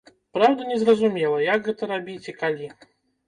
Праўда, незразумела, як гэта рабіць і калі.